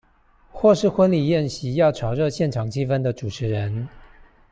或是婚禮宴席要炒熱現場氣氛的主持人